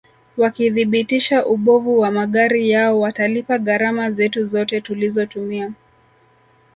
wakithibitisha ubovu wa magari yao watalipa gharama zetu zote tulizotumia